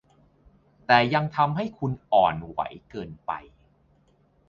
แต่ยังทำให้คุณอ่อนไหวเกินไป